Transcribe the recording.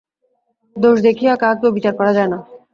দোষ দেখিয়া কাহাকেও বিচার করা যায় না।